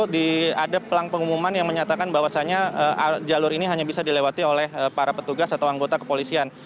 dan disitu diadep pelang pengumuman yang menyatakan bahwasanya jalur ini hanya bisa dilewati oleh para petugas atau anggota kepolisian